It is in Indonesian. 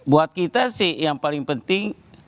buat kita sih yang paling penting